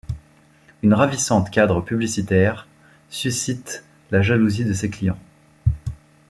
Une ravissante cadre publicitaire suscite la jalousie de ses clients.